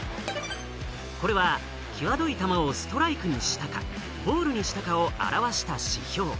これは際どい球をストライクにしたか、ボールにしたかを表した指標。